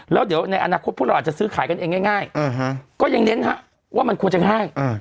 แล้วเดี๋ยวในอนาคตพวกเราอาจจะซื้อขายกันเองง่ายก็ยังเน้นว่ามันควรจะง่าย